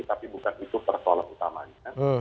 tapi bukan itu persoalan utamanya